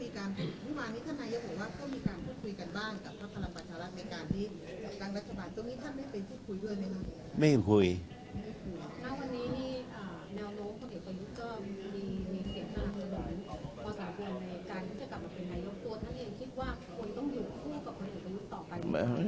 โทษถ้าที่นี่คิดว่าควรยุคกับคนเอกยุคต่อไป